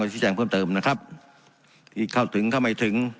ชี้แจงเพิ่มเติมนะครับที่เข้าถึงเข้าไม่ถึง